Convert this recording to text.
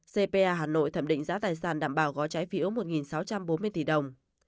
cpa hà nội thẩm định giá tài sản đảm bảo gói trái phiếu một sáu trăm bốn mươi tỷ đồng